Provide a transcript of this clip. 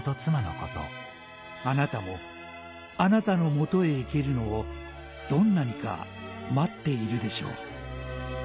「アナタもアナタの元へ行けるのをどんなにか待っているでしょう」